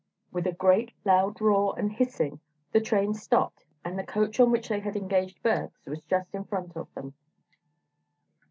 With a great, loud roar and hissing, the train stopped and the coach on which they had engaged berths was just in front of them.